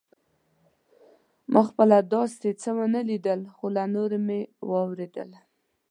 ما خپله داسې څه ونه لیدل خو له نورو مې واورېدل.